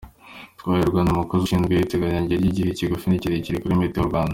Twahirwa Anthony Umukozi ushinzwe iteganyagihe ry’igihe kigufi n’ikirekire muri Meteo Rwanda .